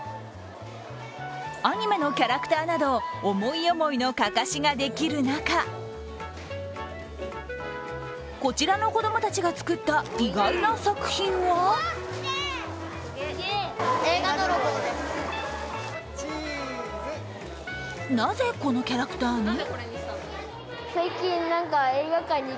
アニメのキャラクターなど、思い思いのかかしができる中、こちらの子供たちが作った意外な作品はなぜ、このキャラクターに？